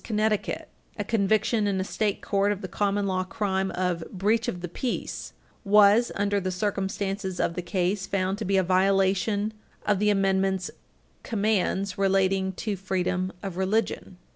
Connecticut, 310 U. S. 296 Page 334 U. S. 18 (1940), a conviction in a state court of the common law crime of breach of the peace was, under the circumstances of the case, found to be a violation of the Amendment's commands relating to freedom of religion.